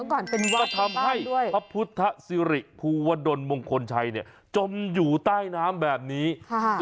ก็ทำให้พระพุทธศิริภูวดลมงคลชัยเนี่ยจมอยู่ใต้น้ำแบบนี้ค่ะ